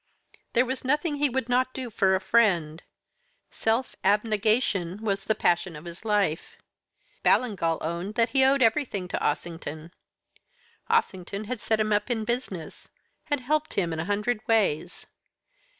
There was nothing he would not do for a friend self abnegation was the passion of his life. Ballingall owned that he owed everything to Ossington. Ossington had set him up in business, had helped him in a hundred ways.